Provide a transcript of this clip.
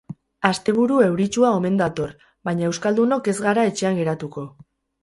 Asteburu euritsua omen dator, baina, euskaldunok ez gara etxean geratuko.